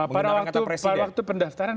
pada waktu pendaftaran